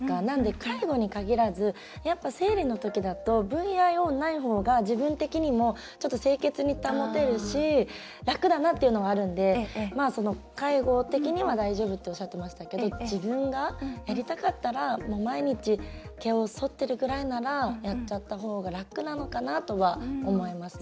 介護に限らずやっぱり生理の時などＶＩＯない方が自分的にも清潔に保てるし楽だなというのがあるので介護的には大丈夫っておっしゃってましたけど自分がやりたかったら毎日毛をそってるならやっちゃった方が楽なのかなとは思いますね。